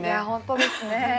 本当ですね。